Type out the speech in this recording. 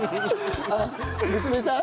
あっ娘さん？